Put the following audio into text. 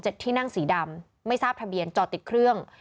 ที่นั่งสีดำไม่ทราบทะเบียนจอดติดเครื่อง